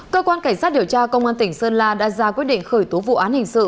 cơ quan cảnh sát điều tra công an tỉnh sơn la đã ra quyết định khởi tố vụ án hình sự